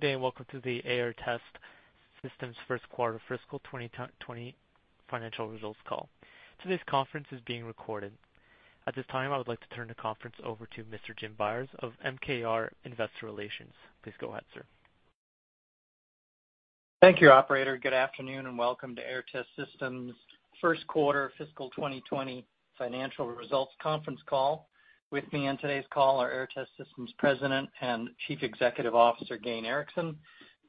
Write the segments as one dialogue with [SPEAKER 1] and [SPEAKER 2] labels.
[SPEAKER 1] Good day and welcome to the Aehr Test Systems first quarter fiscal 2020 financial results call. Today's conference is being recorded. At this time, I would like to turn the conference over to Mr. Jim Byers of MKR Investor Relations. Please go ahead, sir.
[SPEAKER 2] Thank you, operator. Good afternoon and welcome to Aehr Test Systems first quarter fiscal 2020 financial results conference call. With me on today's call are Aehr Test Systems President and Chief Executive Officer, Gayn Erickson,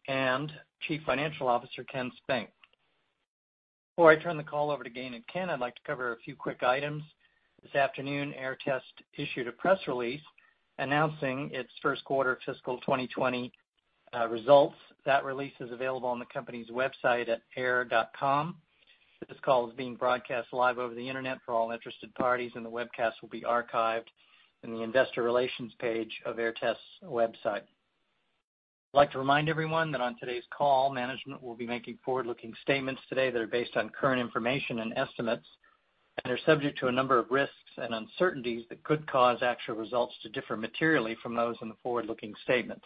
[SPEAKER 2] and Chief Financial Officer, Ken Spink. Before I turn the call over to Gayn and Ken, I'd like to cover a few quick items. This afternoon, Aehr Test issued a press release announcing its first quarter fiscal 2020 results. That release is available on the company's website at aehr.com. This call is being broadcast live over the internet for all interested parties, and the webcast will be archived in the investor relations page of Aehr Test's website. I'd like to remind everyone that on today's call, management will be making forward-looking statements today that are based on current information and estimates, and are subject to a number of risks and uncertainties that could cause actual results to differ materially from those in the forward-looking statements.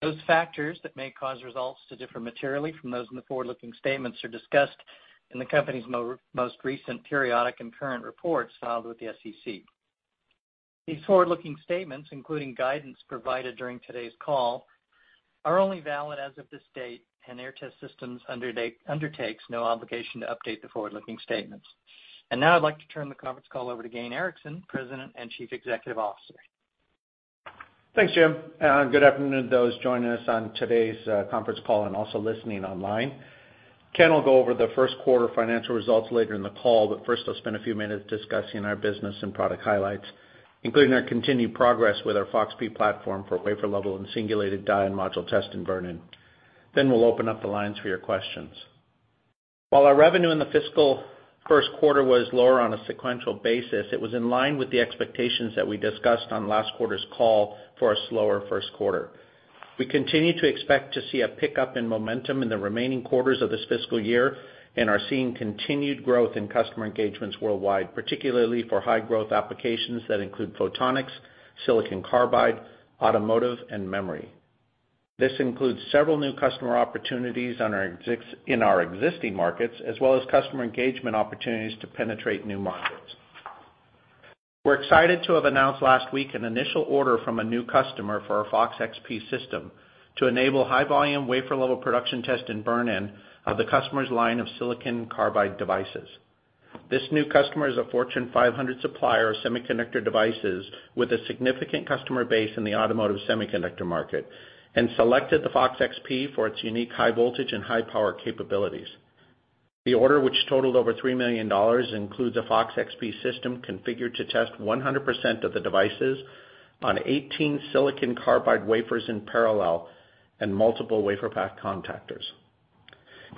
[SPEAKER 2] Those factors that may cause results to differ materially from those in the forward-looking statements are discussed in the company's most recent periodic and current reports filed with the SEC. These forward-looking statements, including guidance provided during today's call, are only valid as of this date, and Aehr Test Systems undertakes no obligation to update the forward-looking statements. Now I'd like to turn the conference call over to Gayn Erickson, President and Chief Executive Officer.
[SPEAKER 3] Thanks, Jim, and good afternoon to those joining us on today's conference call and also listening online. Ken will go over the first quarter financial results later in the call, but first I'll spend a few minutes discussing our business and product highlights, including our continued progress with our FOX-P platform for wafer level and singulated die and module test and burn-in. We'll open up the lines for your questions. While our revenue in the fiscal first quarter was lower on a sequential basis, it was in line with the expectations that we discussed on last quarter's call for a slower first quarter. We continue to expect to see a pickup in momentum in the remaining quarters of this fiscal year and are seeing continued growth in customer engagements worldwide, particularly for high growth applications that include photonics, silicon carbide, automotive, and memory. This includes several new customer opportunities in our existing markets, as well as customer engagement opportunities to penetrate new markets. We're excited to have announced last week an initial order from a new customer for our FOX-XP system to enable high volume wafer level production test and burn-in of the customer's line of silicon carbide devices. This new customer is a Fortune 500 supplier of semiconductor devices with a significant customer base in the automotive semiconductor market, and selected the FOX-XP for its unique high voltage and high power capabilities. The order, which totaled over $3 million, includes a FOX-XP system configured to test 100% of the devices on 18 silicon carbide wafers in parallel and multiple WaferPak contactors.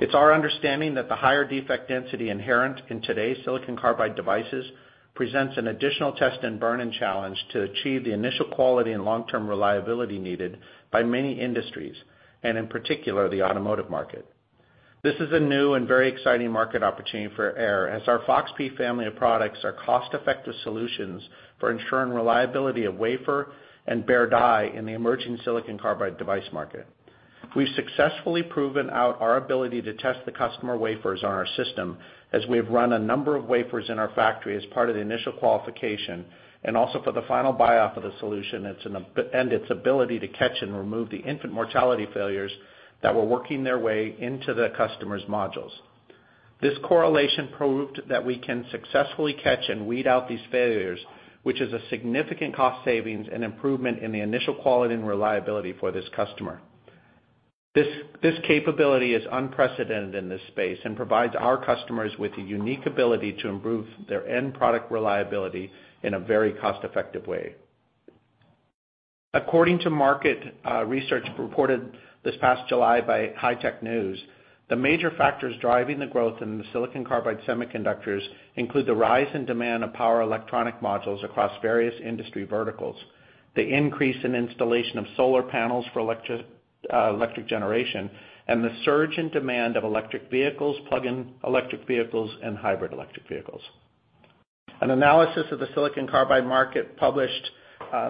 [SPEAKER 3] It's our understanding that the higher defect density inherent in today's silicon carbide devices presents an additional test and burn-in challenge to achieve the initial quality and long-term reliability needed by many industries, and in particular, the automotive market. This is a new and very exciting market opportunity for Aehr, as our FOX-P family of products are cost-effective solutions for ensuring reliability of wafer and bare die in the emerging silicon carbide device market. We've successfully proven out our ability to test the customer wafers on our system as we have run a number of wafers in our factory as part of the initial qualification, and also for the final buy-off of the solution, and its ability to catch and remove the infant mortality failures that were working their way into the customer's modules. This correlation proved that we can successfully catch and weed out these failures, which is a significant cost savings and improvement in the initial quality and reliability for this customer. This capability is unprecedented in this space and provides our customers with a unique ability to improve their end product reliability in a very cost-effective way. According to market research reported this past July by High Tech News, the major factors driving the growth in the silicon carbide semiconductors include the rise in demand of power electronic modules across various industry verticals, the increase in installation of solar panels for electric generation, and the surge in demand of electric vehicles, plug-in electric vehicles, and hybrid electric vehicles. An analysis of the silicon carbide market published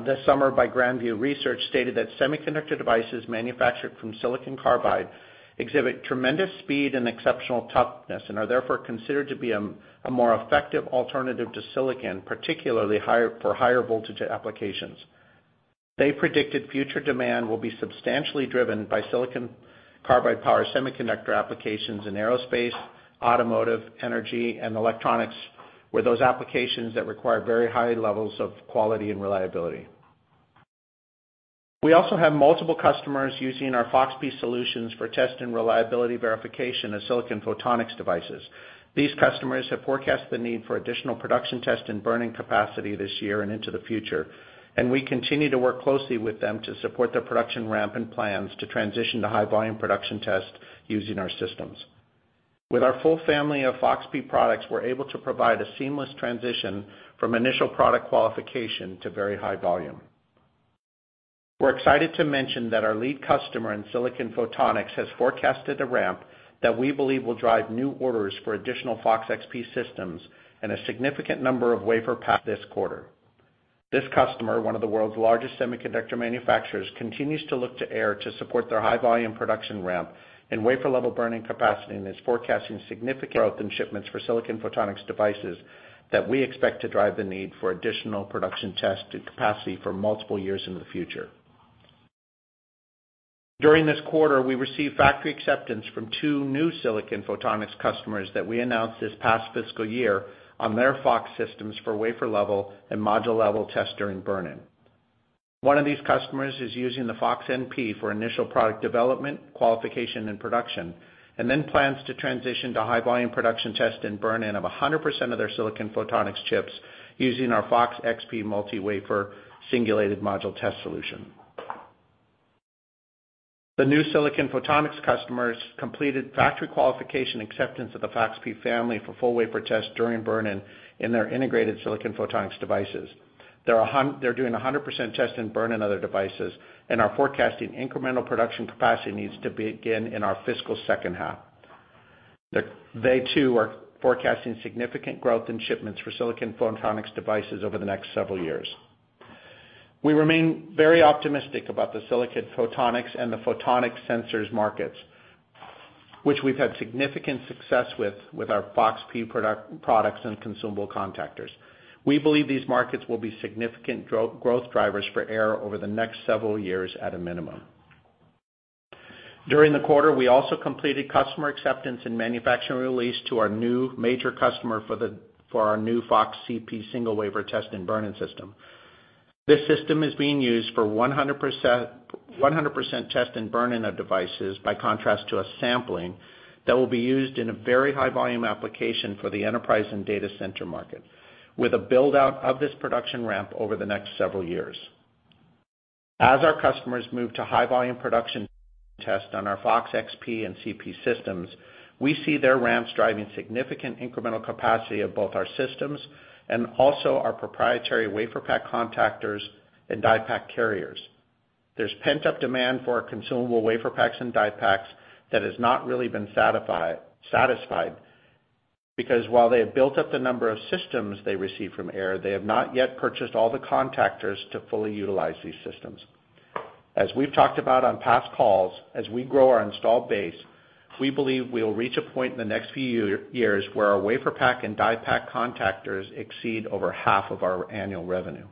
[SPEAKER 3] this summer by Grand View Research stated that semiconductor devices manufactured from silicon carbide exhibit tremendous speed and exceptional toughness and are therefore considered to be a more effective alternative to silicon, particularly for higher voltage applications. They predicted future demand will be substantially driven by silicon carbide power semiconductor applications in aerospace, automotive, energy, and electronics, where those applications that require very high levels of quality and reliability. We also have multiple customers using our FOX-P solutions for test and reliability verification of silicon photonics devices. These customers have forecasted the need for additional production test and burn-in capacity this year and into the future. We continue to work closely with them to support their production ramp and plans to transition to high volume production test using our systems. With our full family of FOX-P products, we're able to provide a seamless transition from initial product qualification to very high volume. We're excited to mention that our lead customer in silicon photonics has forecasted a ramp that we believe will drive new orders for additional FOX-XP systems and a significant number of WaferPaks this quarter. This customer, one of the world's largest semiconductor manufacturers, continues to look to Aehr to support their high-volume production ramp and wafer level burn-in capacity, and is forecasting significant growth in shipments for silicon photonics devices that we expect to drive the need for additional production test and capacity for multiple years in the future. During this quarter, we received factory acceptance from two new silicon photonics customers that we announced this past fiscal year on their FOX systems for wafer level and module level tester and burn-in. One of these customers is using the FOX-NP for initial product development, qualification, and production, and then plans to transition to high-volume production test and burn-in of 100% of their silicon photonics chips using our FOX-XP multi-wafer singulated module test solution. The new silicon photonics customers completed factory qualification acceptance of the FOX-P family for full wafer test during burn-in in their integrated silicon photonics devices. They're doing 100% test and burn-in of their devices and are forecasting incremental production capacity needs to begin in our fiscal second half. They too are forecasting significant growth in shipments for silicon photonics devices over the next several years. We remain very optimistic about the silicon photonics and the photonic sensors markets, which we've had significant success with our FOX-P products and consumable contactors. We believe these markets will be significant growth drivers for Aehr over the next several years at a minimum. During the quarter, we also completed customer acceptance and manufacturing release to our new major customer for our new FOX-CP single wafer test and burn-in system. This system is being used for 100% test and burn-in of devices, by contrast to a sampling, that will be used in a very high-volume application for the enterprise and data center market, with a build-out of this production ramp over the next several years. As our customers move to high-volume production test on our FOX-XP and CP systems, we see their ramps driving significant incremental capacity of both our systems and also our proprietary WaferPak contactors and DiePak carriers. There's pent-up demand for our consumable WaferPaks and DiePaks that has not really been satisfied, because while they have built up the number of systems they receive from Aehr, they have not yet purchased all the contactors to fully utilize these systems. As we've talked about on past calls, as we grow our installed base, we believe we'll reach a point in the next few years where our WaferPak and DiePak contactors exceed over half of our annual revenue.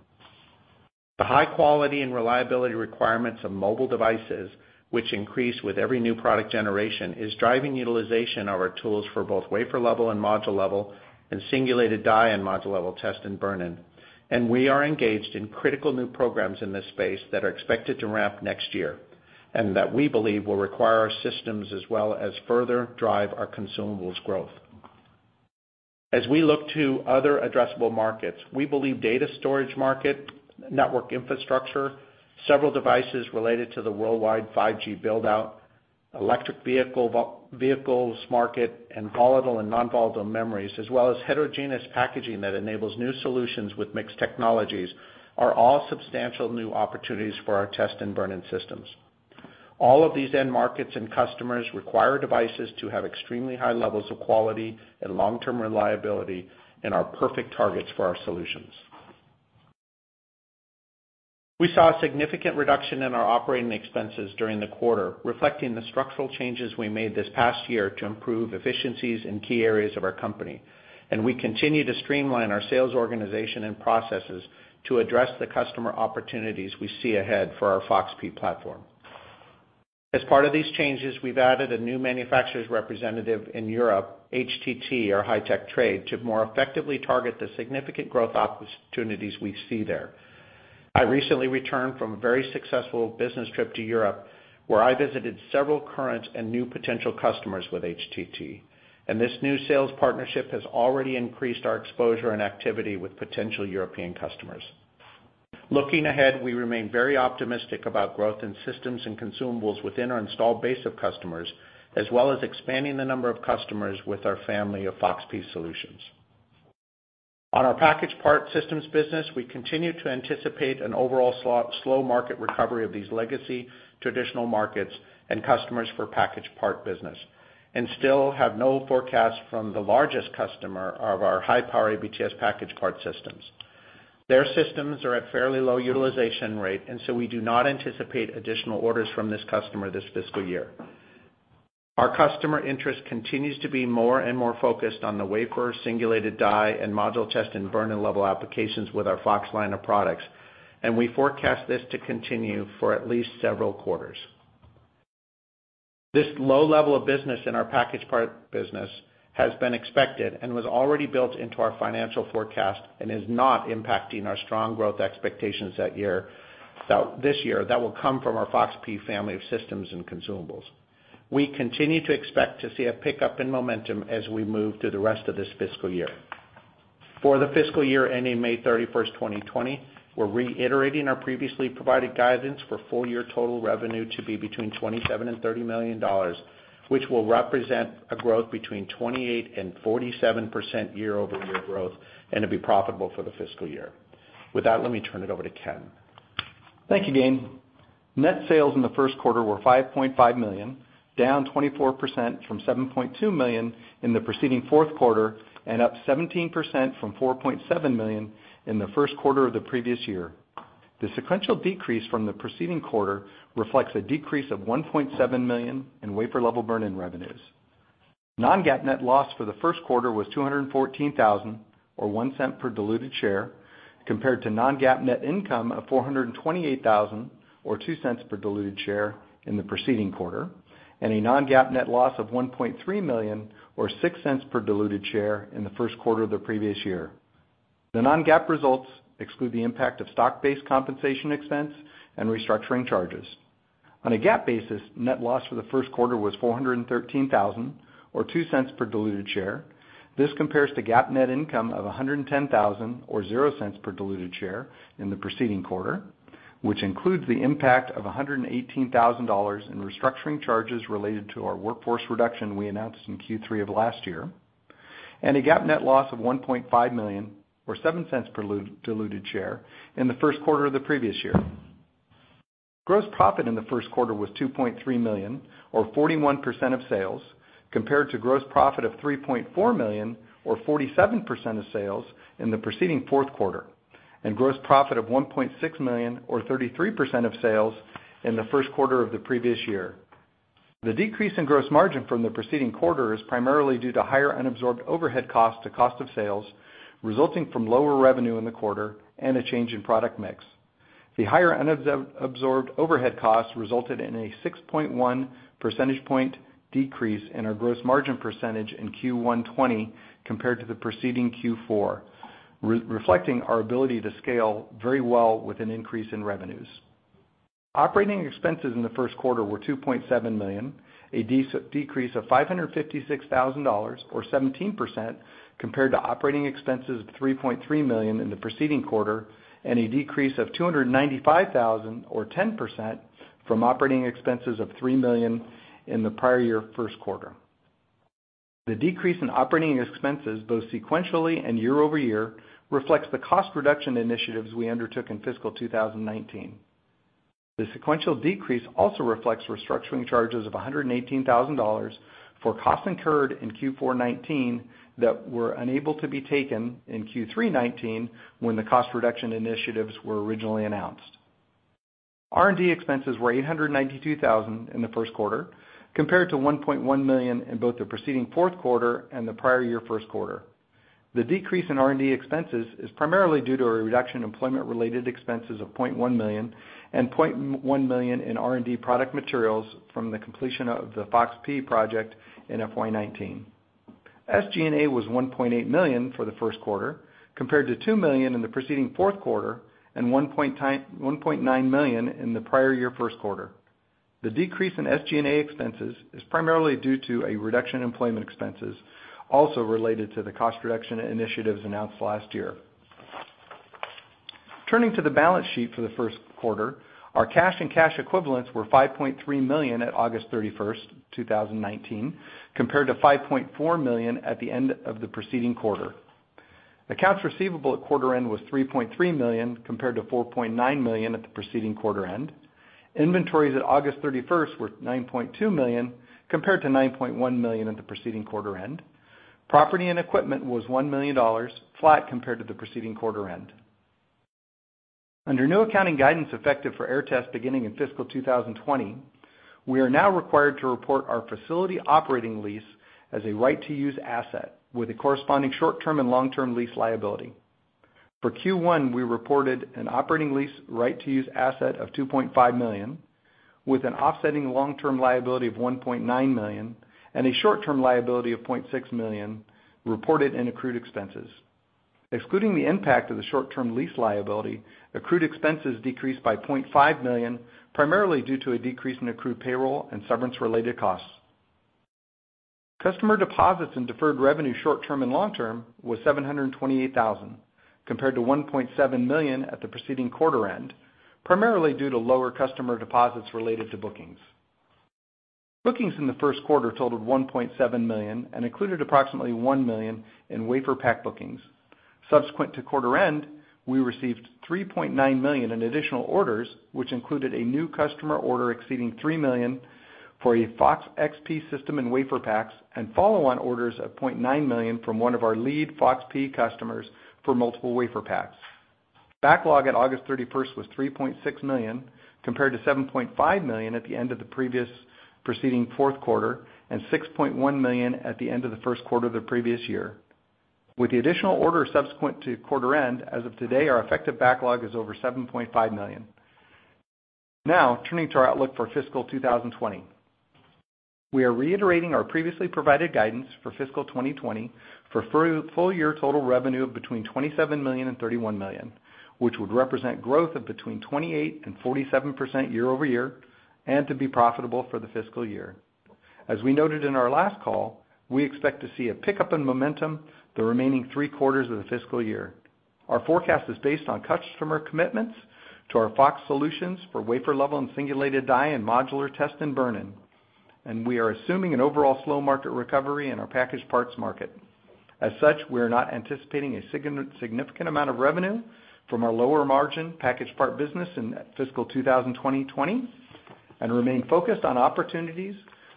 [SPEAKER 3] The high quality and reliability requirements of mobile devices, which increase with every new product generation, is driving utilization of our tools for both wafer level and module level, and singulated die and module level test and burn-in. We are engaged in critical new programs in this space that are expected to ramp next year, and that we believe will require our systems as well as further drive our consumables growth. As we look to other addressable markets, we believe data storage market, network infrastructure, several devices related to the worldwide 5G build-out, electric vehicles market, and volatile and non-volatile memories, as well as heterogeneous packaging that enables new solutions with mixed technologies, are all substantial new opportunities for our test and burn-in systems. All of these end markets and customers require devices to have extremely high levels of quality and long-term reliability and are perfect targets for our solutions. We saw a significant reduction in our operating expenses during the quarter, reflecting the structural changes we made this past year to improve efficiencies in key areas of our company. We continue to streamline our sales organization and processes to address the customer opportunities we see ahead for our FOX-P platform. As part of these changes, we've added a new manufacturer's representative in Europe, HTT or High Tech Trade, to more effectively target the significant growth opportunities we see there. I recently returned from a very successful business trip to Europe, where I visited several current and new potential customers with HTT. This new sales partnership has already increased our exposure and activity with potential European customers. Looking ahead, we remain very optimistic about growth in systems and consumables within our installed base of customers, as well as expanding the number of customers with our family of FOX-P solutions. On our package part systems business, we continue to anticipate an overall slow market recovery of these legacy traditional markets and customers for package part business, and still have no forecast from the largest customer of our high-power ABTS package part systems. Their systems are at fairly low utilization rate, and so we do not anticipate additional orders from this customer this fiscal year. Our customer interest continues to be more and more focused on the wafer, singulated die, and module test and burn-in level applications with our FOX line of products, and we forecast this to continue for at least several quarters. This low level of business in our package part business has been expected and was already built into our financial forecast and is not impacting our strong growth expectations this year that will come from our FOX-P family of systems and consumables. We continue to expect to see a pickup in momentum as we move through the rest of this fiscal year. For the fiscal year ending May 31st, 2020, we're reiterating our previously provided guidance for full-year total revenue to be between $27 million and $30 million, which will represent a growth between 28% and 47% year-over-year growth, and to be profitable for the fiscal year. With that, let me turn it over to Ken.
[SPEAKER 4] Thank you, Gayn. Net sales in the first quarter were $5.5 million, down 24% from $7.2 million in the preceding fourth quarter, and up 17% from $4.7 million in the first quarter of the previous year. The sequential decrease from the preceding quarter reflects a decrease of $1.7 million in wafer-level burn-in revenues. non-GAAP net loss for the first quarter was $214,000, or $0.01 per diluted share, compared to non-GAAP net income of $428,000, or $0.02 per diluted share in the preceding quarter, and a non-GAAP net loss of $1.3 million or $0.06 per diluted share in the first quarter of the previous year. The non-GAAP results exclude the impact of stock-based compensation expense and restructuring charges. On a GAAP basis, net loss for the first quarter was $413,000, or $0.02 per diluted share. This compares to GAAP net income of $110,000 or $0.00 per diluted share in the preceding quarter, which includes the impact of $118,000 in restructuring charges related to our workforce reduction we announced in Q3 of last year, and a GAAP net loss of $1.5 million or $0.07 per diluted share in the first quarter of the previous year. Gross profit in the first quarter was $2.3 million or 41% of sales, compared to gross profit of $3.4 million or 47% of sales in the preceding fourth quarter, and gross profit of $1.6 million or 33% of sales in the first quarter of the previous year. The decrease in gross margin from the preceding quarter is primarily due to higher unabsorbed overhead costs to cost of sales, resulting from lower revenue in the quarter and a change in product mix. The higher unabsorbed overhead costs resulted in a 6.1 percentage point decrease in our gross margin percentage in Q1 2020 compared to the preceding Q4, reflecting our ability to scale very well with an increase in revenues. Operating expenses in the first quarter were $2.7 million, a decrease of $556,000, or 17%, compared to operating expenses of $3.3 million in the preceding quarter, and a decrease of $295,000 or 10% from operating expenses of $3 million in the prior year first quarter. The decrease in operating expenses, both sequentially and year-over-year, reflects the cost reduction initiatives we undertook in fiscal 2019. The sequential decrease also reflects restructuring charges of $118,000 for costs incurred in Q4 2019 that were unable to be taken in Q3 2019 when the cost reduction initiatives were originally announced. R&D expenses were 892,000 in the first quarter, compared to $1.1 million in both the preceding fourth quarter and the prior year first quarter. The decrease in R&D expenses is primarily due to a reduction in employment-related expenses of $0.1 million and $0.1 million in R&D product materials from the completion of the FOX-P project in FY 2019. SG&A was $1.8 million for the first quarter, compared to $2 million in the preceding fourth quarter and $1.9 million in the prior year first quarter. The decrease in SG&A expenses is primarily due to a reduction in employment expenses, also related to the cost reduction initiatives announced last year. Turning to the balance sheet for the first quarter. Our cash and cash equivalents were $5.3 million at August 31st, 2019, compared to $5.4 million at the end of the preceding quarter. Accounts receivable at quarter end was $3.3 million, compared to $4.9 million at the preceding quarter end. Inventories at August 31st were $9.2 million, compared to $9.1 million at the preceding quarter end. Property and equipment was $1 million, flat compared to the preceding quarter end. Under new accounting guidance effective for Aehr Test beginning in fiscal 2020, we are now required to report our facility operating lease as a right-of-use asset with a corresponding short-term and long-term lease liability. For Q1, we reported an operating lease right-of-use asset of $2.5 million, with an offsetting long-term liability of $1.9 million and a short-term liability of $0.6 million reported in accrued expenses. Excluding the impact of the short-term lease liability, accrued expenses decreased by $0.5 million, primarily due to a decrease in accrued payroll and severance related costs. Customer deposits and deferred revenue short-term and long-term was $728,000, compared to $1.7 million at the preceding quarter end, primarily due to lower customer deposits related to bookings. Bookings in the first quarter totaled $1.7 million and included approximately $1 million in WaferPak bookings. Subsequent to quarter end, we received $3.9 million in additional orders, which included a new customer order exceeding $3 million for a FOX-XP system in WaferPaks and follow-on orders of $0.9 million from one of our lead FOX-P customers for multiple WaferPaks. Backlog at August 31st was $3.6 million, compared to $7.5 million at the end of the previous preceding fourth quarter and $6.1 million at the end of the first quarter of the previous year. With the additional order subsequent to quarter end, as of today, our effective backlog is over $7.5 million. Now, turning to our outlook for fiscal 2020. We are reiterating our previously provided guidance for fiscal 2020 for full year total revenue of between $27 million and $31 million, which would represent growth of between 28% and 47% year-over-year, and to be profitable for the fiscal year. As we noted in our last call, we expect to see a pickup in momentum the remaining three quarters of the fiscal year. Our forecast is based on customer commitments to our FOX solutions for wafer-level and singulated die and modular test and burn-in. We are assuming an overall slow market recovery in our packaged parts market. As such, we're not anticipating a significant amount of revenue from our lower margin packaged part business in fiscal 2020, remain focused on opportunities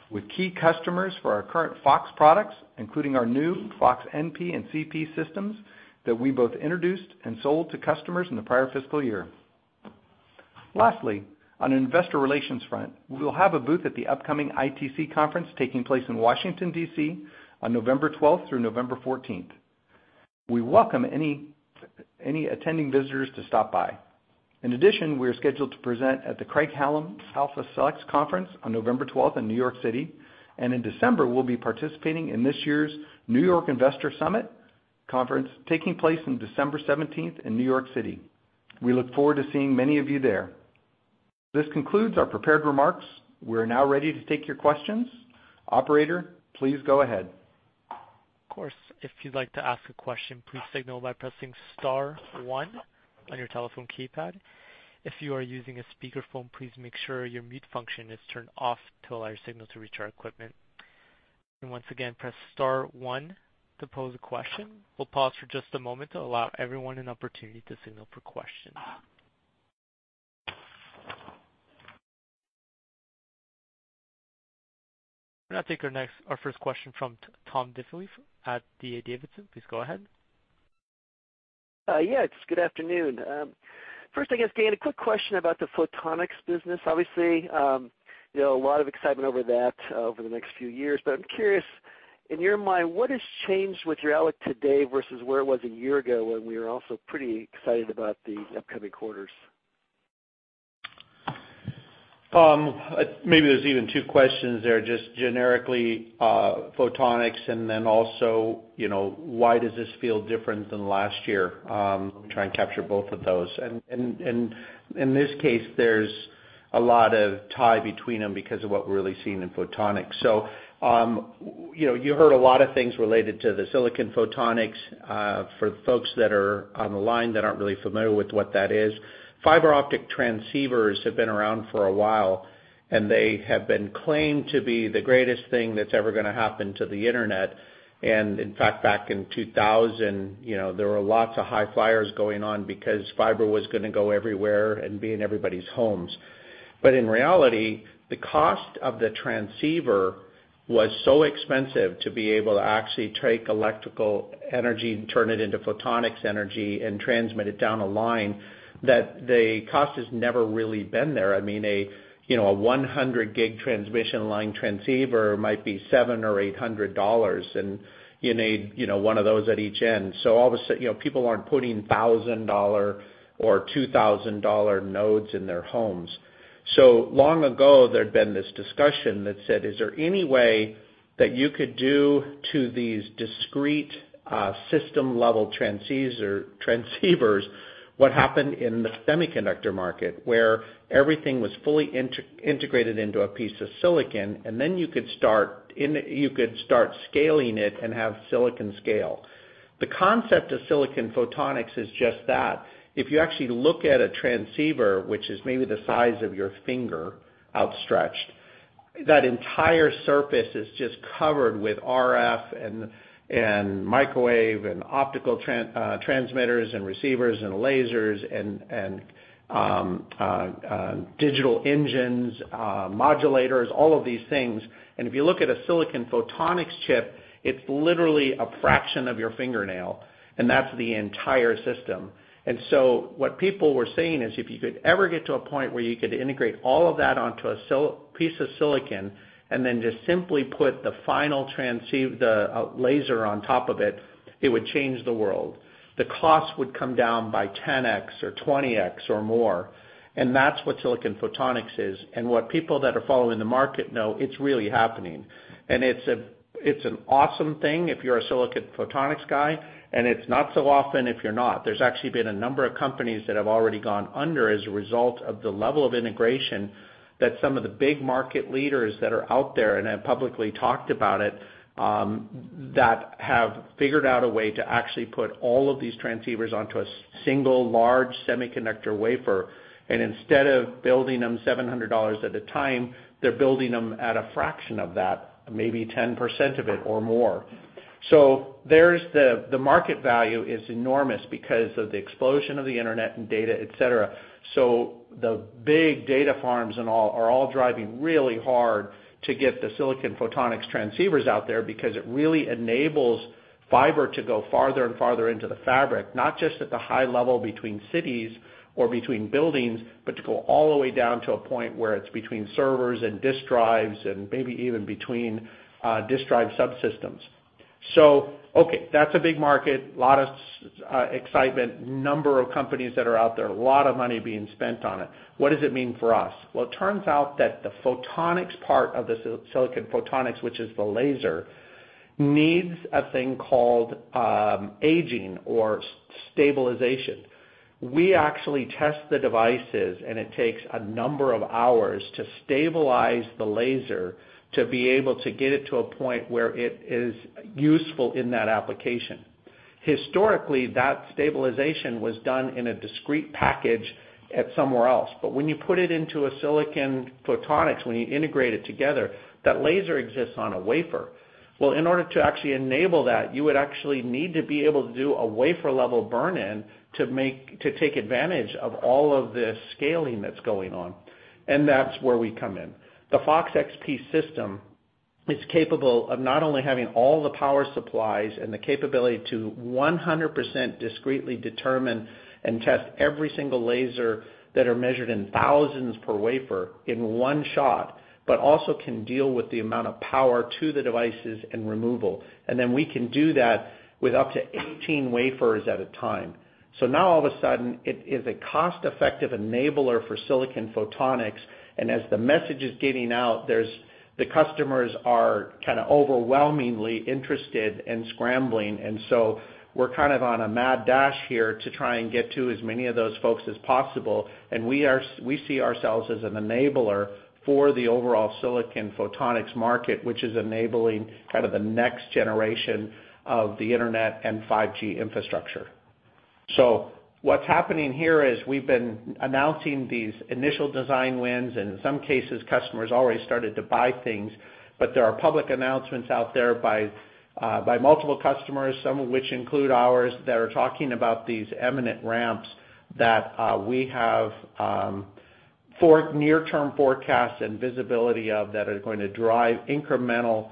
[SPEAKER 4] with key customers for our current FOX products, including our new FOX-NP and FOX-CP systems that we both introduced and sold to customers in the prior fiscal year. Lastly, on investor relations front, we will have a booth at the upcoming ITC conference taking place in Washington, D.C., on November 12th through November 14th. We welcome any attending visitors to stop by. In addition, we are scheduled to present at the Craig-Hallum Alpha Select Conference on November 12th in New York City. In December, we'll be participating in this year's NYC Investor Summit Conference, taking place on December 17th in New York City. We look forward to seeing many of you there. This concludes our prepared remarks. We're now ready to take your questions. Operator, please go ahead.
[SPEAKER 1] Of course. If you'd like to ask a question, please signal by pressing star one on your telephone keypad. If you are using a speakerphone, please make sure your mute function is turned off to allow your signal to reach our equipment. Once again, press star one to pose a question. We'll pause for just a moment to allow everyone an opportunity to signal for questions. I'll now take our first question from Tom Diffley at D.A. Davidson. Please go ahead.
[SPEAKER 5] Yeah. Good afternoon. First, I guess, Gayn, a quick question about the photonics business. Obviously, a lot of excitement over that over the next few years, but I'm curious, in your mind, what has changed with your outlook today versus where it was a year ago when we were also pretty excited about the upcoming quarters?
[SPEAKER 3] Maybe there's even two questions there, just generically photonics and then also why does this feel different than last year? Let me try and capture both of those. In this case, there's a lot of tie between them because of what we're really seeing in photonics. You heard a lot of things related to the silicon photonics. For the folks that are on the line that aren't really familiar with what that is, fiber optic transceivers have been around for a while, and they have been claimed to be the greatest thing that's ever going to happen to the internet. In fact, back in 2000, there were lots of high flyers going on because fiber was going to go everywhere and be in everybody's homes. In reality, the cost of the transceiver was so expensive to be able to actually take electrical energy and turn it into photonics energy and transmit it down a line, that the cost has never really been there. I mean, a 100 gig transmission line transceiver might be $700 or $800, and you need one of those at each end. People aren't putting $1,000 or $2,000 nodes in their homes. Long ago, there'd been this discussion that said, is there any way that you could do to these discrete, system-level transceivers what happened in the semiconductor market, where everything was fully integrated into a piece of silicon, and then you could start scaling it and have silicon scale. The concept of Silicon Photonics is just that. If you actually look at a transceiver, which is maybe the size of your finger outstretched, that entire surface is just covered with RF and microwave and optical transmitters and receivers and lasers and digital engines, modulators, all of these things. If you look at a silicon photonics chip, it's literally a fraction of your fingernail, and that's the entire system. So what people were saying is, if you could ever get to a point where you could integrate all of that onto a piece of silicon and then just simply put the final transceiver, the laser on top of it would change the world. The cost would come down by 10x or 20x or more, and that's what silicon photonics is. What people that are following the market know, it's really happening. It's an awesome thing if you're a silicon photonics guy, and it's not so often if you're not. There's actually been a number of companies that have already gone under as a result of the level of integration that some of the big market leaders that are out there and have publicly talked about it, that have figured out a way to actually put all of these transceivers onto a single large semiconductor wafer. Instead of building them $700 at a time, they're building them at a fraction of that, maybe 10% of it or more. The market value is enormous because of the explosion of the internet and data, et cetera. The big data farms are all driving really hard to get the silicon photonics transceivers out there because it really enables fiber to go farther and farther into the fabric, not just at the high level between cities or between buildings, but to go all the way down to a point where it's between servers and disk drives and maybe even between disk drive subsystems. Okay, that's a big market. Lot of excitement. Number of companies that are out there. A lot of money being spent on it. What does it mean for us? Well, it turns out that the photonics part of the silicon photonics, which is the laser, needs a thing called aging or stabilization. We actually test the devices, and it takes a number of hours to stabilize the laser to be able to get it to a point where it is useful in that application. Historically, that stabilization was done in a discrete package at somewhere else. When you put it into a silicon photonics, when you integrate it together, that laser exists on a wafer. In order to actually enable that, you would actually need to be able to do a wafer-level burn-in to take advantage of all of the scaling that's going on. That's where we come in. The FOX-XP system is capable of not only having all the power supplies and the capability to 100% discretely determine and test every single laser that are measured in thousands per wafer in one shot, but also can deal with the amount of power to the devices and removal. Then we can do that with up to 18 wafers at a time. Now all of a sudden, it is a cost-effective enabler for silicon photonics, and as the message is getting out, the customers are kind of overwhelmingly interested and scrambling. We're kind of on a mad dash here to try and get to as many of those folks as possible. We see ourselves as an enabler for the overall silicon photonics market, which is enabling kind of the next generation of the internet and 5G infrastructure. What's happening here is we've been announcing these initial design wins, and in some cases, customers already started to buy things. There are public announcements out there by multiple customers, some of which include ours, that are talking about these eminent ramps that we have near-term forecasts and visibility of, that are going to drive incremental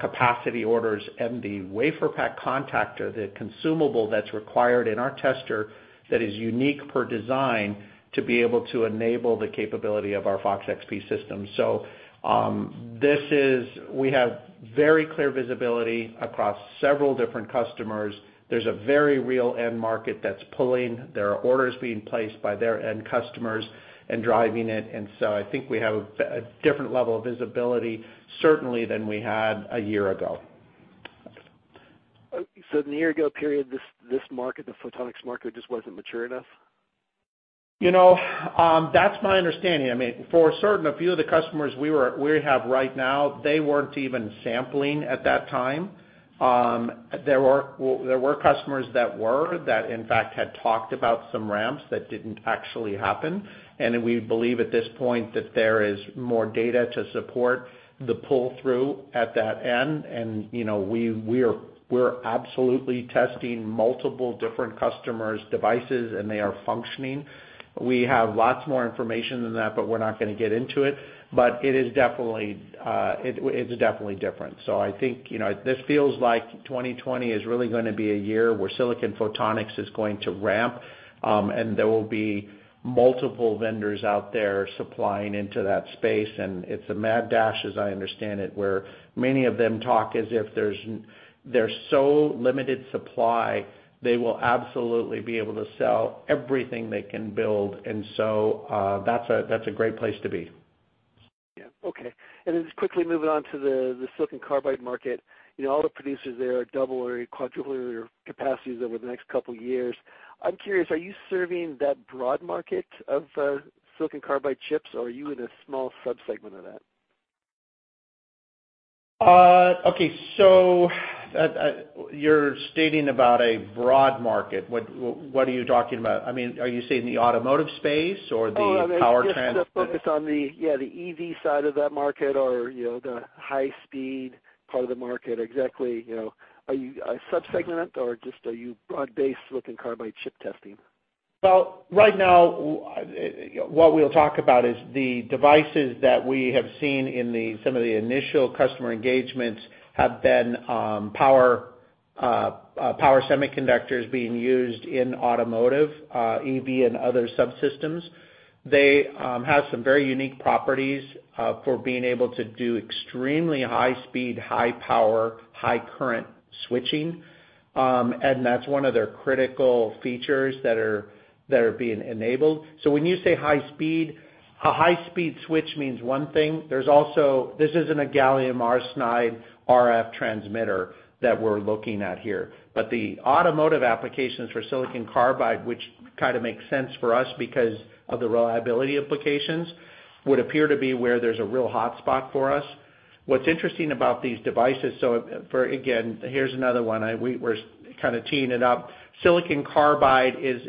[SPEAKER 3] capacity orders and the WaferPak contactor, the consumable that's required in our tester that is unique per design to be able to enable the capability of our FOX-XP system. We have very clear visibility across several different customers. There's a very real end market that's pulling. There are orders being placed by their end customers and driving it. I think we have a different level of visibility certainly than we had a year ago.
[SPEAKER 5] In the year-ago period, this market, the photonics market, just wasn't mature enough?
[SPEAKER 3] That's my understanding. For certain, a few of the customers we have right now, they weren't even sampling at that time. There were customers that in fact had talked about some ramps that didn't actually happen. We believe at this point that there is more data to support the pull-through at that end, and we're absolutely testing multiple different customers' devices, and they are functioning. We have lots more information than that, but we're not going to get into it. It's definitely different. I think this feels like 2020 is really going to be a year where silicon photonics is going to ramp. There will be multiple vendors out there supplying into that space, and it's a mad dash, as I understand it, where many of them talk as if there's so limited supply, they will absolutely be able to sell everything they can build. So, that's a great place to be.
[SPEAKER 5] Yeah. Okay. Just quickly moving on to the silicon carbide market. All the producers there are double or quadruple their capacities over the next couple of years. I'm curious, are you serving that broad market of silicon carbide chips, or are you in a small subsegment of that?
[SPEAKER 3] Okay. You're stating about a broad market. What are you talking about? Are you saying the automotive space or the power trans-
[SPEAKER 5] Oh, no. Just the focus on the, yeah, the EV side of that market or the high-speed part of the market. Exactly, are you a subsegment or just, are you broad-based silicon carbide chip testing?
[SPEAKER 3] Right now, what we'll talk about is the devices that we have seen in some of the initial customer engagements have been power semiconductors being used in automotive, EV, and other subsystems. They have some very unique properties for being able to do extremely high speed, high power, high current switching. That's one of their critical features that are being enabled. When you say high speed, a high-speed switch means one thing. This isn't a gallium arsenide RF transmitter that we're looking at here. The automotive applications for silicon carbide, which kind of makes sense for us because of the reliability implications, would appear to be where there's a real hotspot for us. What's interesting about these devices, so for, again, here's another one. We're kind of teeing it up. Silicon carbide is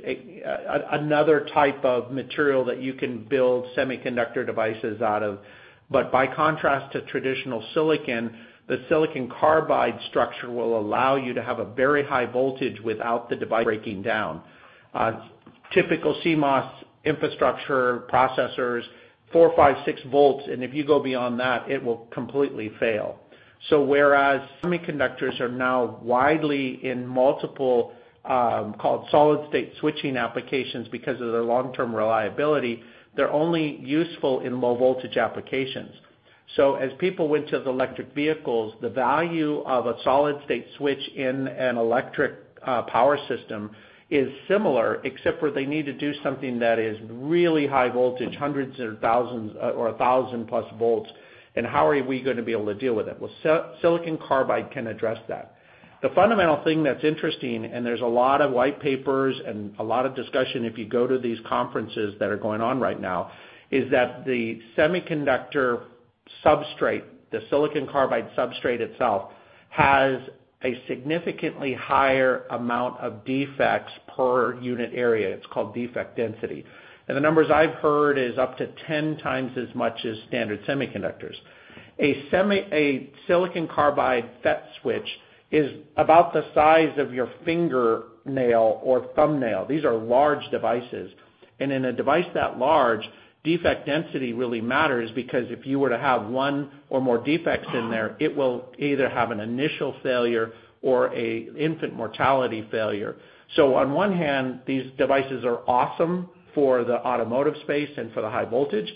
[SPEAKER 3] another type of material that you can build semiconductor devices out of. By contrast to traditional silicon, the silicon carbide structure will allow you to have a very high voltage without the device breaking down. A typical CMOS infrastructure processor's four, five, six volts, and if you go beyond that, it will completely fail. Whereas semiconductors are now widely in multiple called solid state switching applications because of their long-term reliability, they're only useful in low voltage applications. As people went to the electric vehicles, the value of a solid state switch in an electric power system is similar except where they need to do something that is really high voltage, hundreds or a thousand-plus volts, and how are we going to be able to deal with it? Well, silicon carbide can address that. The fundamental thing that's interesting, and there's a lot of white papers and a lot of discussion if you go to these conferences that are going on right now, is that the semiconductor substrate, the silicon carbide substrate itself, has a significantly higher amount of defects per unit area. It's called defect density. The numbers I've heard is up to 10 times as much as standard semiconductors. A silicon carbide FET switch is about the size of your fingernail or thumbnail. These are large devices, and in a device that large, defect density really matters, because if you were to have one or more defects in there, it will either have an initial failure or a infant mortality failure. On one hand, these devices are awesome for the automotive space and for the high voltage,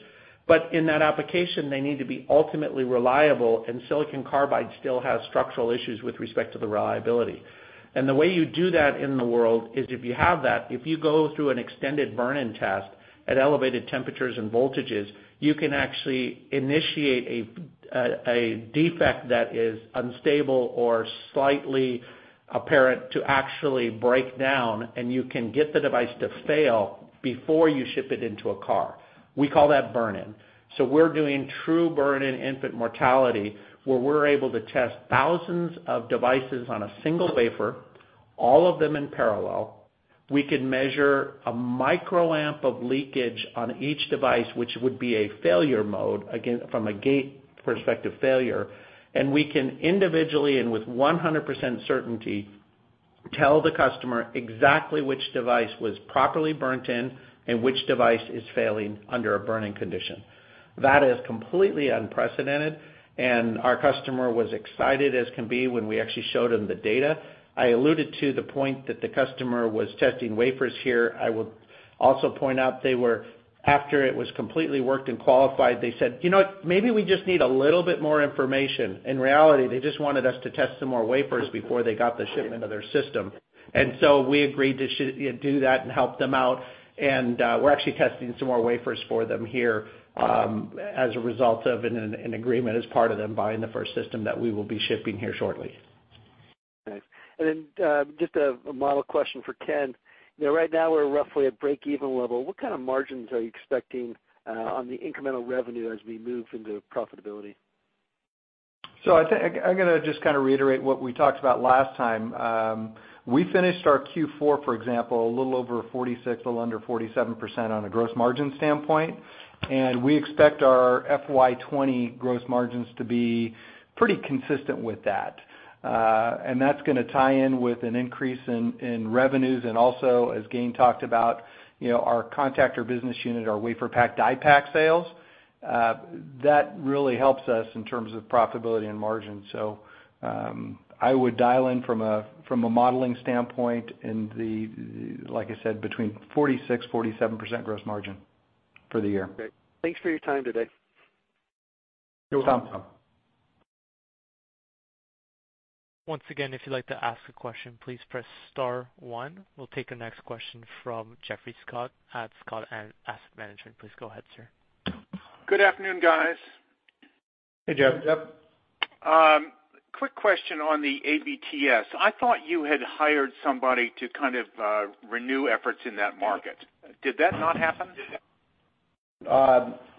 [SPEAKER 3] but in that application, they need to be ultimately reliable, and silicon carbide still has structural issues with respect to the reliability. The way you do that in the world is if you have that, if you go through an extended burn-in test at elevated temperatures and voltages, you can actually initiate a defect that is unstable or slightly apparent to actually break down, and you can get the device to fail before you ship it into a car. We call that burn-in. We're doing true burn-in infant mortality, where we're able to test thousands of devices on a single wafer, all of them in parallel. We could measure a microamp of leakage on each device, which would be a failure mode. Again, from a gate perspective, failure. We can individually, and with 100% certainty, tell the customer exactly which device was properly burnt in and which device is failing under a burn-in condition. That is completely unprecedented, and our customer was excited as can be when we actually showed him the data. I alluded to the point that the customer was testing wafers here. I will also point out they were, after it was completely worked and qualified, they said, "You know what? Maybe we just need a little bit more information." In reality, they just wanted us to test some more wafers before they got the shipment of their system. We agreed to do that and help them out, and we're actually testing some more wafers for them here, as a result of an agreement as part of them buying the first system that we will be shipping here shortly.
[SPEAKER 5] Nice. Just a model question for Ken. Right now we're roughly at break-even level. What kind of margins are you expecting on the incremental revenue as we move into profitability?
[SPEAKER 4] I think I'm going to just kind of reiterate what we talked about last time. We finished our Q4, for example, a little over 46%, a little under 47% on a gross margin standpoint. We expect our FY 2020 gross margins to be pretty consistent with that. That's going to tie in with an increase in revenues and also, as Gayn talked about, our contactor business unit, our WaferPak DiePak sales, that really helps us in terms of profitability and margin. I would dial in from a modeling standpoint in the, like I said, between 46%-47% gross margin for the year.
[SPEAKER 5] Great. Thanks for your time today.
[SPEAKER 4] You're welcome.
[SPEAKER 3] No problem.
[SPEAKER 1] Once again, if you'd like to ask a question, please press star one. We'll take the next question from Geoffrey Scott at Scott Asset Management. Please go ahead, sir.
[SPEAKER 6] Good afternoon, guys.
[SPEAKER 3] Hey, Geoff.
[SPEAKER 4] Hey, Geoff.
[SPEAKER 6] Quick question on the ABTS. I thought you had hired somebody to kind of renew efforts in that market. Did that not happen?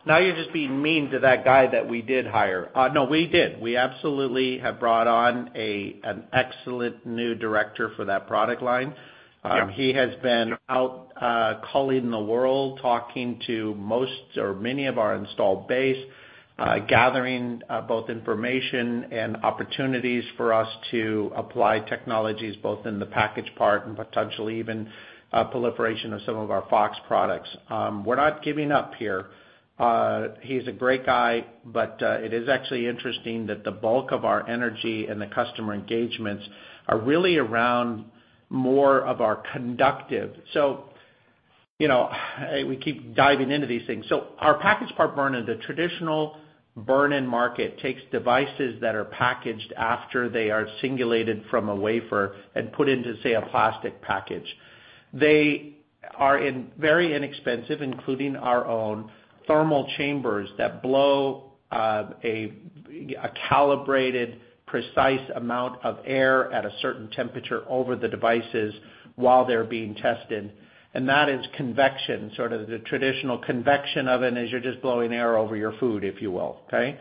[SPEAKER 3] Now you're just being mean to that guy that we did hire. No, we did. We absolutely have brought on an excellent new director for that product line.
[SPEAKER 6] Yeah.
[SPEAKER 3] He has been out culling the world, talking to most or many of our installed base, gathering both information and opportunities for us to apply technologies both in the package part and potentially even proliferation of some of our FOX products. We're not giving up here. He's a great guy, but it is actually interesting that the bulk of our energy and the customer engagements are really around more of our conductive. We keep diving into these things. Our package part burn-in, the traditional burn-in market takes devices that are packaged after they are singulated from a wafer and put into, say, a plastic package. They are very inexpensive, including our own thermal chambers that blow a calibrated, precise amount of air at a certain temperature over the devices while they're being tested, and that is convection. Sort of the traditional convection oven as you're just blowing air over your food, if you will, okay?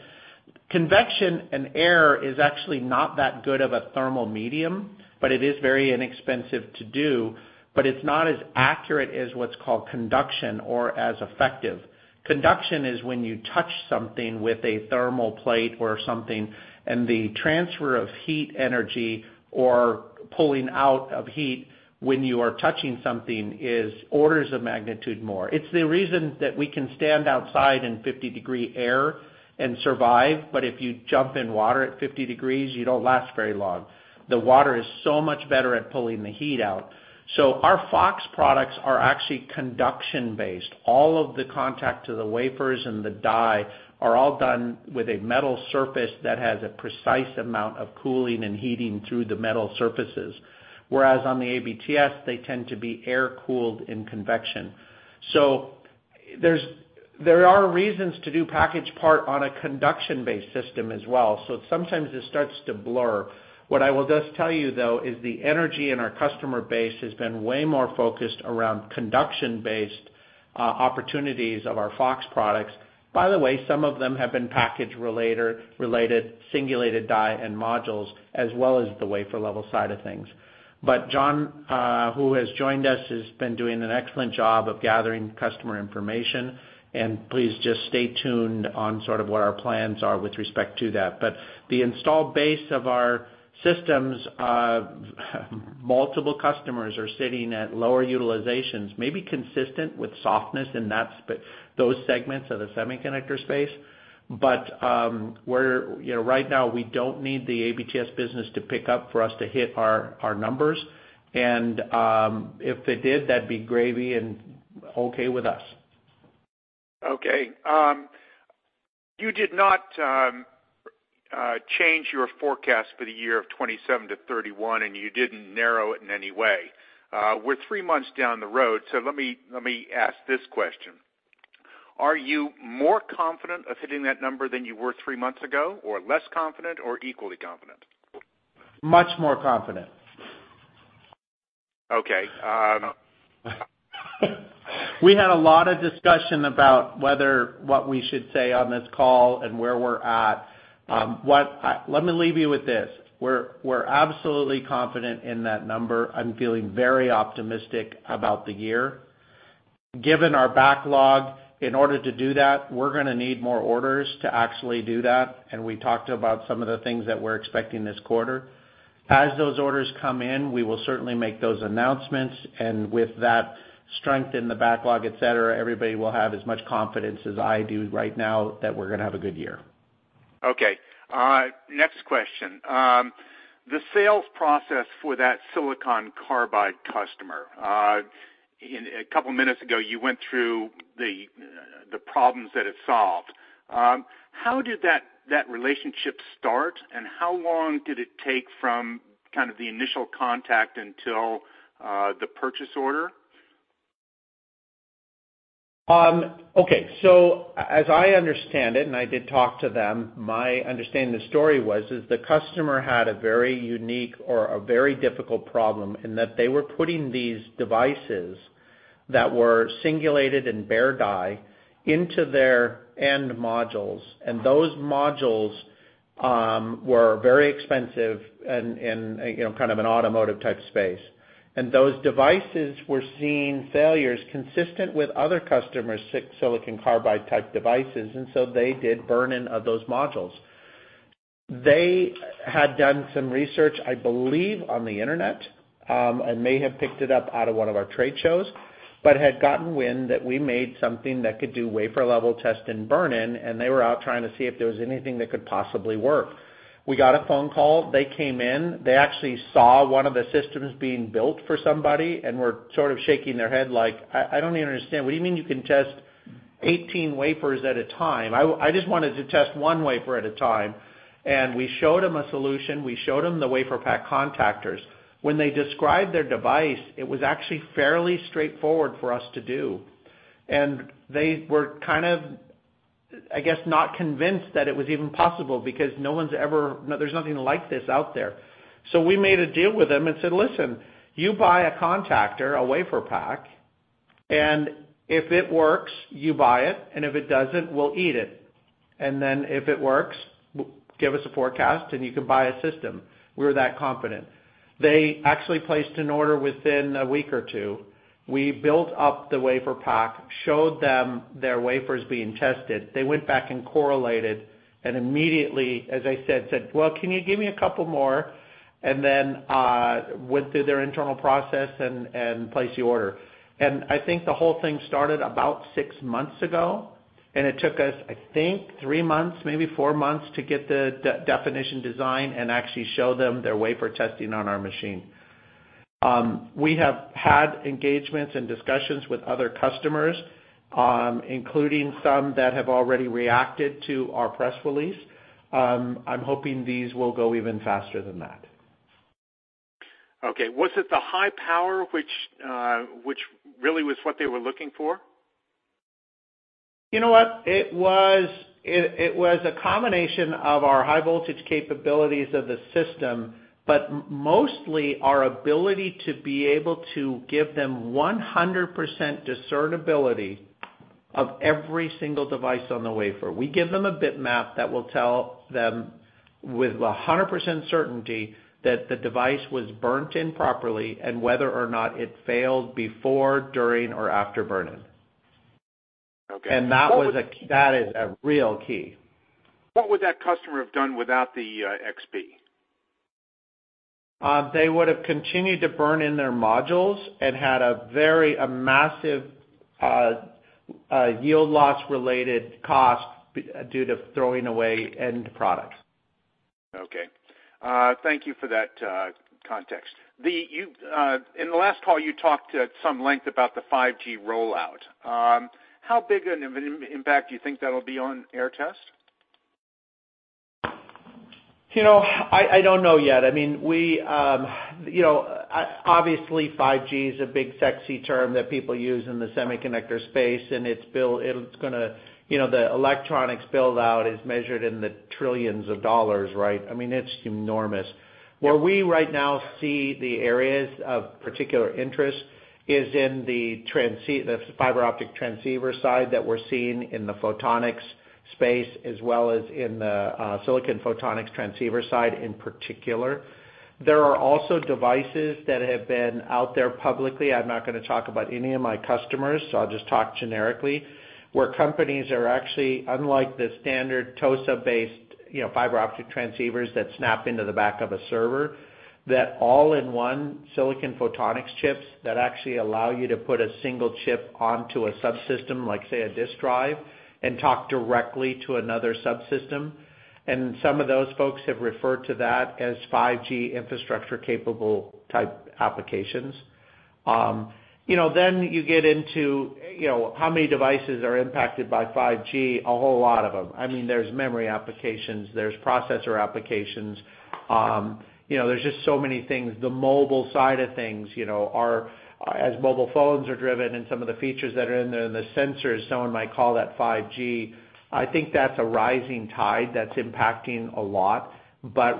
[SPEAKER 3] Convection air is actually not that good of a thermal medium, but it is very inexpensive to do, but it's not as accurate as what's called conduction or as effective. Conduction is when you touch something with a thermal plate or something, the transfer of heat energy or pulling out of heat when you are touching something is orders of magnitude more. It's the reason that we can stand outside in 50-degree air and survive. If you jump in water at 50 degrees, you don't last very long. The water is so much better at pulling the heat out. Our FOX products are actually conduction-based. All of the contact to the wafers and the die are all done with a metal surface that has a precise amount of cooling and heating through the metal surfaces. Whereas on the ABTS, they tend to be air-cooled in convection. There are reasons to do package part on a conduction-based system as well, sometimes it starts to blur. What I will just tell you, though, is the energy in our customer base has been way more focused around conduction-based opportunities of our FOX products. By the way, some of them have been package-related singulated die and modules, as well as the wafer level side of things. John, who has joined us, has been doing an excellent job of gathering customer information, and please just stay tuned on what our plans are with respect to that. The installed base of our systems, multiple customers are sitting at lower utilizations, maybe consistent with softness in those segments of the semiconductor space. Right now, we don't need the ABTS business to pick up for us to hit our numbers. If it did, that'd be gravy and okay with us.
[SPEAKER 6] Okay. You did not change your forecast for the year of $27-$31, and you didn't narrow it in any way. We're three months down the road. Let me ask this question. Are you more confident of hitting that number than you were three months ago, or less confident, or equally confident?
[SPEAKER 3] Much more confident.
[SPEAKER 6] Okay.
[SPEAKER 3] We had a lot of discussion about what we should say on this call and where we're at. Let me leave you with this. We're absolutely confident in that number. I'm feeling very optimistic about the year. Given our backlog, in order to do that, we're going to need more orders to actually do that, and we talked about some of the things that we're expecting this quarter. As those orders come in, we will certainly make those announcements, and with that strength in the backlog, et cetera, everybody will have as much confidence as I do right now that we're going to have a good year.
[SPEAKER 6] Okay. Next question. The sales process for that silicon carbide customer. A couple of minutes ago, you went through the problems that it solved. How did that relationship start, and how long did it take from the initial contact until the purchase order?
[SPEAKER 3] Okay. As I understand it, and I did talk to them, my understanding of the story was, the customer had a very unique or a very difficult problem in that they were putting these devices that were singulated in bare die into their end modules. Those modules were very expensive in an automotive type space. Those devices were seeing failures consistent with other customers' silicon carbide type devices, they did burn-in of those modules. They had done some research, I believe, on the internet, may have picked it up out of one of our trade shows, had gotten wind that we made something that could do wafer level test and burn-in, they were out trying to see if there was anything that could possibly work. We got a phone call. They came in. They actually saw one of the systems being built for somebody and were sort of shaking their head like, "I don't even understand. What do you mean you can test 18 wafers at a time? I just wanted to test one wafer at a time." We showed them a solution. We showed them the WaferPak contactors. When they described their device, it was actually fairly straightforward for us to do. They were, I guess, not convinced that it was even possible because there's nothing like this out there. We made a deal with them and said, "Listen, you buy a contactor, a WaferPak, and if it works, you buy it, and if it doesn't, we'll eat it. If it works, give us a forecast, and you can buy a system." We were that confident. They actually placed an order within a week or two. We built up the WaferPak, showed them their wafers being tested. They went back and correlated. Immediately, as I said, "Well, can you give me a couple more?" Then, went through their internal process and placed the order. I think the whole thing started about six months ago, and it took us, I think, three months, maybe four months to get the definition design and actually show them their wafer testing on our machine. We have had engagements and discussions with other customers, including some that have already reacted to our press release. I'm hoping these will go even faster than that.
[SPEAKER 6] Okay. Was it the high power which really was what they were looking for?
[SPEAKER 3] You know what? It was a combination of our high voltage capabilities of the system, but mostly our ability to be able to give them 100% discernibility of every single device on the wafer. We give them a bitmap that will tell them with 100% certainty that the device was burnt in properly and whether or not it failed before, during, or after burn-in.
[SPEAKER 6] Okay.
[SPEAKER 3] That is a real key.
[SPEAKER 6] What would that customer have done without the XP?
[SPEAKER 3] They would've continued to burn in their modules and had a massive yield loss-related cost due to throwing away end products.
[SPEAKER 6] Okay. Thank you for that context. In the last call, you talked at some length about the 5G rollout. How big an impact do you think that'll be on Aehr Test?
[SPEAKER 3] I don't know yet. Obviously, 5G is a big, sexy term that people use in the semiconductor space. The electronics build-out is measured in the trillions of dollars, right? It's enormous. Where we right now see the areas of particular interest is in the fiber optic transceiver side that we're seeing in the photonics space, as well as in the silicon photonics transceiver side in particular. There are also devices that have been out there publicly. I'm not going to talk about any of my customers, so I'll just talk generically, where companies are actually, unlike the standard TOSA-based fiber optic transceivers that snap into the back of a server, that all-in-one silicon photonics chips that actually allow you to put a single chip onto a subsystem, like, say, a disk drive, and talk directly to another subsystem. Some of those folks have referred to that as 5G infrastructure-capable type applications. You get into how many devices are impacted by 5G, a whole lot of them. There's memory applications, there's processor applications. There's just so many things. The mobile side of things, as mobile phones are driven and some of the features that are in there, and the sensors, someone might call that 5G. I think that's a rising tide that's impacting a lot.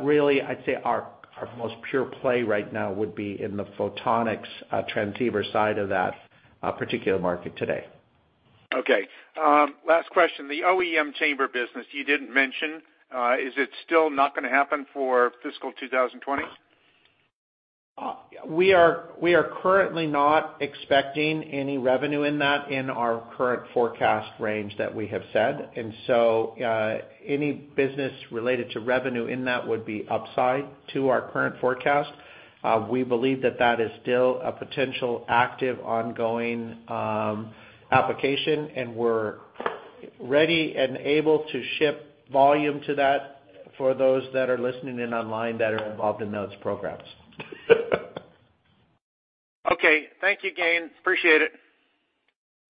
[SPEAKER 3] Really, I'd say our most pure play right now would be in the photonics transceiver side of that particular market today.
[SPEAKER 6] Okay. Last question. The OEM chamber business, you didn't mention. Is it still not going to happen for fiscal 2020?
[SPEAKER 3] We are currently not expecting any revenue in that in our current forecast range that we have said. Any business related to revenue in that would be upside to our current forecast. We believe that that is still a potential active, ongoing application, and we're ready and able to ship volume to that for those that are listening in online that are involved in those programs.
[SPEAKER 6] Okay. Thank you again. Appreciate it.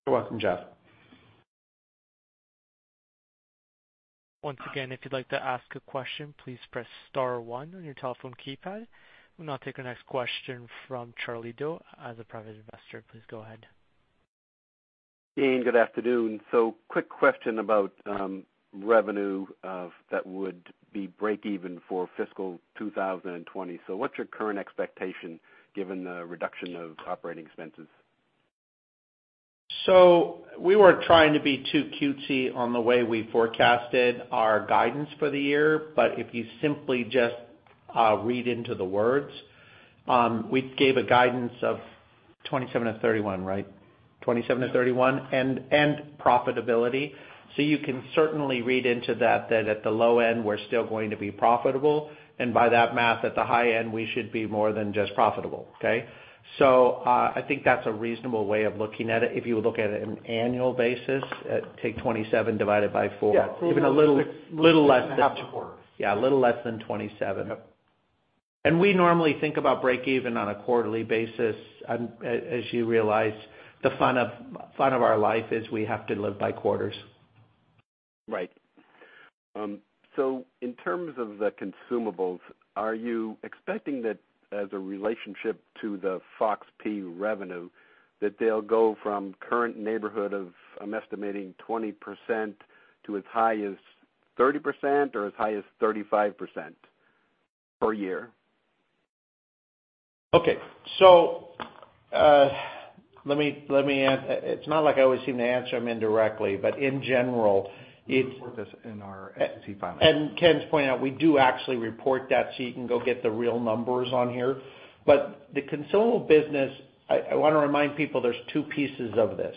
[SPEAKER 3] You're welcome, Geoff.
[SPEAKER 1] Once again, if you'd like to ask a question, please press star one on your telephone keypad. We will now take our next question from Charlie Doe. As a private investor, please go ahead.
[SPEAKER 7] Gayn, good afternoon. Quick question about revenue that would be break-even for fiscal 2020. What's your current expectation given the reduction of operating expenses?
[SPEAKER 3] We weren't trying to be too cutesy on the way we forecasted our guidance for the year. If you simply just read into the words, we gave a guidance of 27 to 31, right? 27 to 31, and profitability. You can certainly read into that at the low end, we're still going to be profitable. By that math, at the high end, we should be more than just profitable. Okay? I think that's a reasonable way of looking at it. If you look at an annual basis, take 27 divided by four.
[SPEAKER 7] Yeah.
[SPEAKER 3] Even a little less than that.
[SPEAKER 7] Less than half a quarter.
[SPEAKER 3] Yeah, a little less than 27.
[SPEAKER 7] Yep.
[SPEAKER 3] We normally think about break-even on a quarterly basis. As you realize, the fun of our life is we have to live by quarters.
[SPEAKER 7] Right. In terms of the consumables, are you expecting that as a relationship to the FOX-P revenue, that they'll go from current neighborhood of, I'm estimating 20% to as high as 30% or as high as 35% per year?
[SPEAKER 3] Okay. It's not like I always seem to answer them indirectly, but in general, it's.
[SPEAKER 4] Report this in our SEC filing.
[SPEAKER 3] Ken's pointing out we do actually report that, so you can go get the real numbers on here. The consumable business, I want to remind people, there's two pieces of this.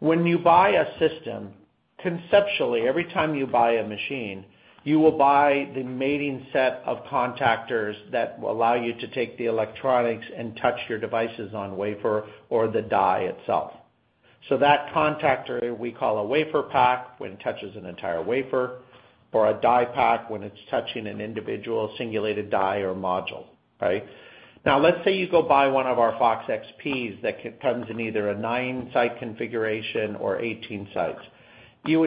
[SPEAKER 3] When you buy a system, conceptually, every time you buy a machine, you will buy the mating set of contactors that allow you to take the electronics and touch your devices on wafer or the die itself. That contactor we call a WaferPak when it touches an entire wafer, or a DiePak when it's touching an individual singulated die or module. Right? Let's say you go buy one of our FOX-XPs that comes in either a nine-site configuration or 18 sites. You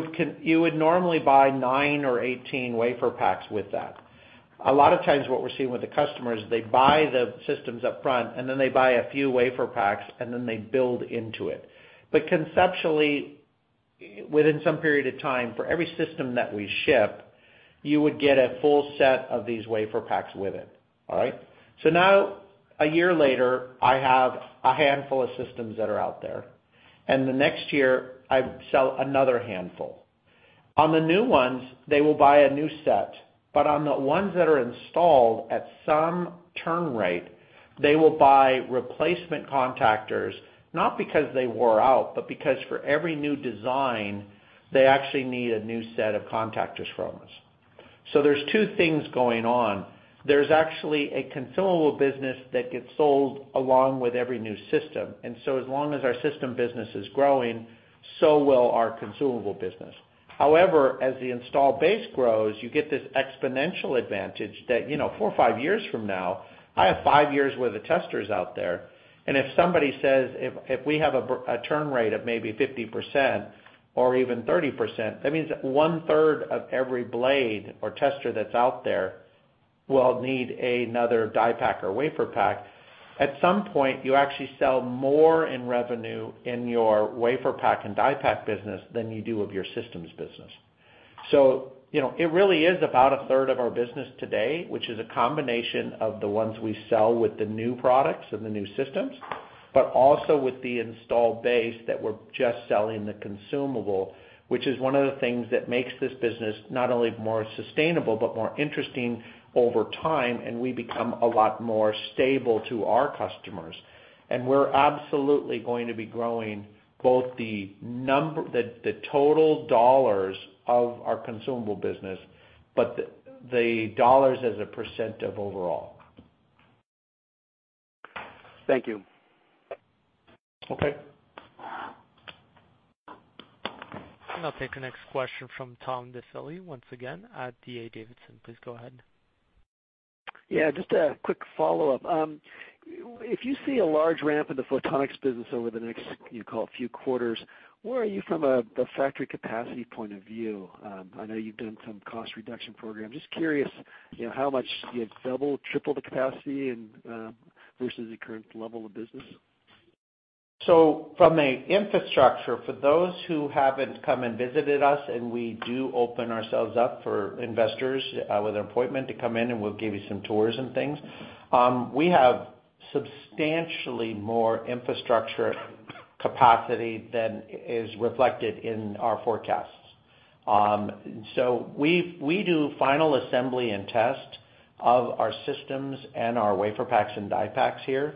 [SPEAKER 3] would normally buy nine or 18 WaferPaks with that. A lot of times what we're seeing with the customers, they buy the systems up front, and then they buy a few WaferPaks, and then they build into it. Conceptually, within some period of time, for every system that we ship, you would get a full set of these WaferPaks with it. All right? Now, one year later, I have a handful of systems that are out there. The next year, I sell another handful. On the new ones, they will buy a new set, but on the ones that are installed at some turn rate, they will buy replacement contactors, not because they wore out, but because for every new design, they actually need a new set of contactors from us. There are two things going on. There's actually a consumable business that gets sold along with every new system. As long as our system business is growing, so will our consumable business. However, as the install base grows, you get this exponential advantage that four or five years from now, I have five years' worth of testers out there. If somebody says, if we have a turn rate of maybe 50% or even 30%, that means one-third of every blade or tester that's out there will need another DiePak or WaferPak. At some point, you actually sell more in revenue in your WaferPak and DiePak business than you do of your systems business. It really is about a third of our business today, which is a combination of the ones we sell with the new products and the new systems, but also with the installed base that we're just selling the consumable, which is one of the things that makes this business not only more sustainable, but more interesting over time, and we become a lot more stable to our customers. We're absolutely going to be growing both the total dollars of our consumable business, but the dollars as a % of overall.
[SPEAKER 7] Thank you.
[SPEAKER 3] Okay.
[SPEAKER 1] I'll take the next question from Tom Diffley, once again, at D.A. Davidson. Please go ahead.
[SPEAKER 5] Yeah. Just a quick follow-up. If you see a large ramp in the photonics business over the next, you call it, few quarters, where are you from a factory capacity point of view? I know you've done some cost reduction programs. Just curious, how much do you double, triple the capacity versus the current level of business?
[SPEAKER 3] From an infrastructure, for those who haven't come and visited us, and we do open ourselves up for investors with an appointment to come in and we'll give you some tours and things, we have substantially more infrastructure capacity than is reflected in our forecasts. We do final assembly and test of our systems and our WaferPak and DiePak here.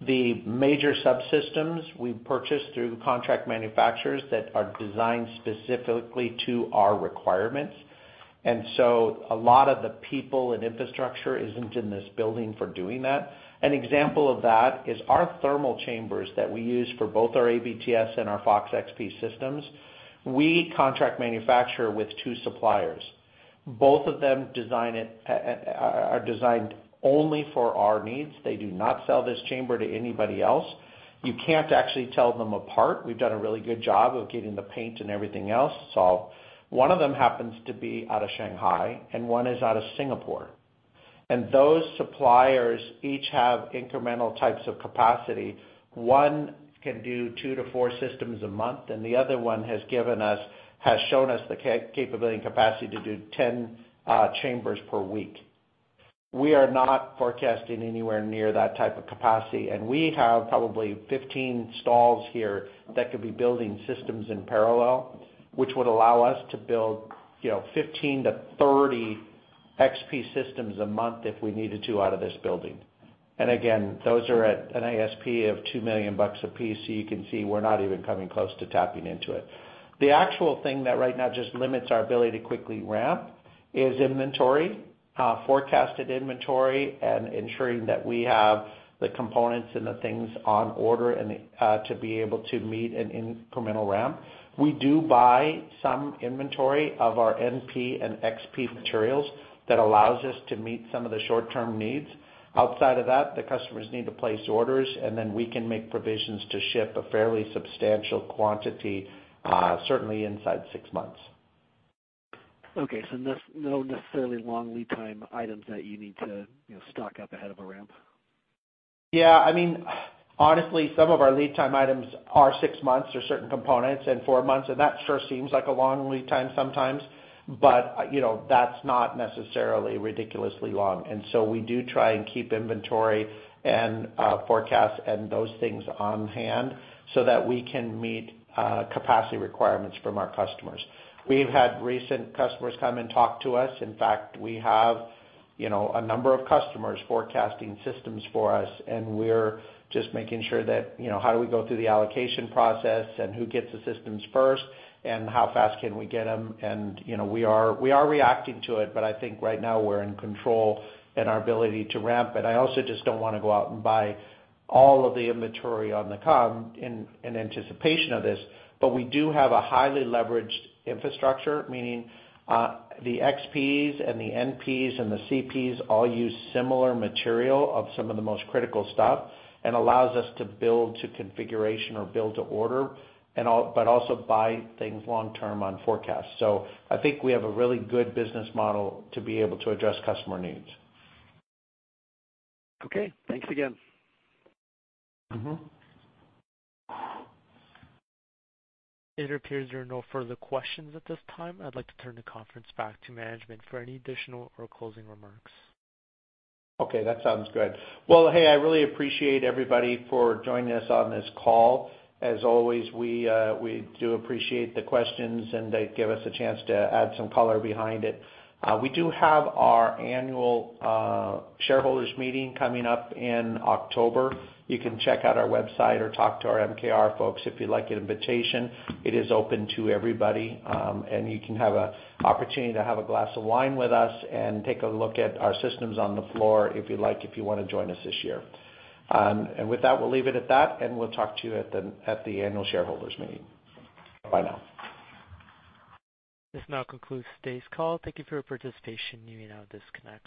[SPEAKER 3] The major subsystems we purchase through contract manufacturers that are designed specifically to our requirements. A lot of the people and infrastructure isn't in this building for doing that. An example of that is our thermal chambers that we use for both our ABTS and our FOX-XP systems. We contract manufacture with two suppliers. Both of them are designed only for our needs. They do not sell this chamber to anybody else. You can't actually tell them apart. We've done a really good job of getting the paint and everything else solved. One of them happens to be out of Shanghai and one is out of Singapore. Those suppliers each have incremental types of capacity. One can do two to four systems a month, and the other one has shown us the capability and capacity to do 10 chambers per week. We are not forecasting anywhere near that type of capacity, and we have probably 15 stalls here that could be building systems in parallel, which would allow us to build 15 to 30 XP systems a month if we needed to out of this building. Again, those are at an ASP of $2 million a piece, so you can see we're not even coming close to tapping into it. The actual thing that right now just limits our ability to quickly ramp is inventory, forecasted inventory, and ensuring that we have the components and the things on order to be able to meet an incremental ramp. We do buy some inventory of our NP and XP materials that allows us to meet some of the short-term needs. Outside of that, the customers need to place orders, and then we can make provisions to ship a fairly substantial quantity, certainly inside six months.
[SPEAKER 5] Okay. No necessarily long lead time items that you need to stock up ahead of a ramp?
[SPEAKER 3] Yeah. Honestly, some of our lead time items are six months for certain components and four months, and that sure seems like a long lead time sometimes, but that's not necessarily ridiculously long. We do try and keep inventory and forecasts and those things on hand so that we can meet capacity requirements from our customers. We've had recent customers come and talk to us. In fact, we have a number of customers forecasting systems for us, and we're just making sure that, how do we go through the allocation process and who gets the systems first and how fast can we get them? We are reacting to it, but I think right now we're in control in our ability to ramp. I also just don't want to go out and buy all of the inventory on the come in anticipation of this. We do have a highly leveraged infrastructure, meaning, the XPs and the NPs and the CPs all use similar material of some of the most critical stuff and allows us to build to configuration or build to order, but also buy things long-term on forecast. I think we have a really good business model to be able to address customer needs.
[SPEAKER 5] Okay. Thanks again.
[SPEAKER 1] It appears there are no further questions at this time. I'd like to turn the conference back to management for any additional or closing remarks.
[SPEAKER 3] Okay. That sounds good. Well, hey, I really appreciate everybody for joining us on this call. As always, we do appreciate the questions, and they give us a chance to add some color behind it. We do have our annual shareholders meeting coming up in October. You can check out our website or talk to our MKR folks if you'd like an invitation. It is open to everybody, and you can have an opportunity to have a glass of wine with us and take a look at our systems on the floor if you like, if you want to join us this year. With that, we'll leave it at that, and we'll talk to you at the annual shareholders meeting. Bye now.
[SPEAKER 1] This now concludes today's call. Thank you for your participation. You may now disconnect.